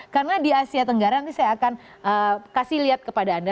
karena di asia tenggara nanti saya akan kasih lihat kepada anda